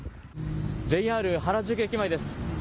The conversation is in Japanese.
ＪＲ原宿駅前です。